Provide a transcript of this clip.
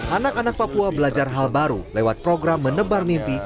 anak anak papua belajar hal baru lewat program menebar mimpi